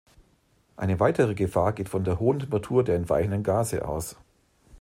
Eine weitere Gefahr geht von der hohen Temperatur der entweichenden Gase aus.